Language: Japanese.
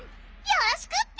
よろしくッピ！